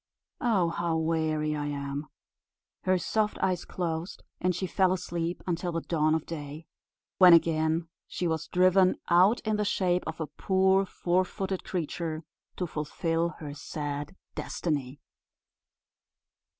Oh, how weary I am!" Her soft eyes closed, and she fell asleep until the dawn of day, when again she was driven out in the shape of a poor four footed creature, to fulfil her sad destiny.